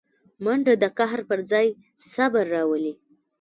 منډه د قهر پر ځای صبر راولي